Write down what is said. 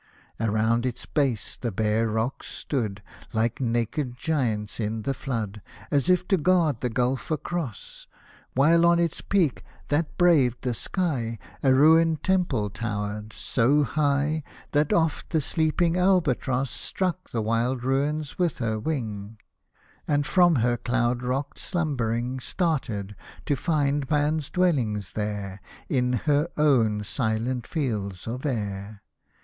Around its base the bare rocks stood. Like naked giants, in the flood, As if to guard the Gulf across ; While, on its peak, that braved the sky, A ruined Temple towered, so high That oft the sleeping albatross Struck the wild ruins with her wing, Hosted by Google THE FIRE WORSHIPPERS 141 And from her cloud rocked slumbering Started — to find man's dwelling there In her own silent fields of air